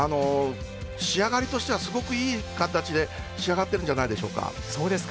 仕上がりとしてはすごくいい形で仕上がっているんじゃないでしょうか。